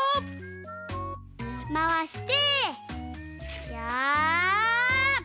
まわしてやあ！